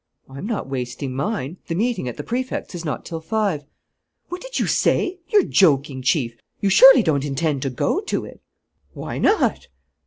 "I'm not wasting mine. The meeting at the Prefect's is not till five." "What did you say? You're joking, Chief! You surely don't intend to go to it." "Why not?"